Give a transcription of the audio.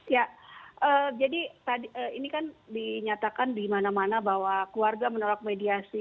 ya jadi ini kan dinyatakan di mana mana bahwa keluarga menolak mediasi